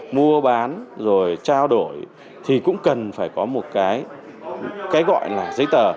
mua bán rồi trao đổi thì cũng cần phải có một cái gọi là giấy tờ